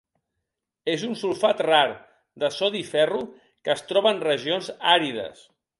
És un sulfat rar de sodi i ferro que es troba en regions àrides.